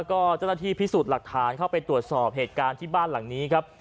ก็เจ้าหน้าที่พิสูจน์หลักฐานเข้าไปตรวจสอบเหตุการณ์ที่บ้านหลังนี้ครับ